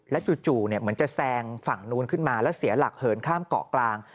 จู่เหมือนจะแซงฝั่งนู้นขึ้นมาแล้วเสียหลักเหินข้ามเกาะกลาง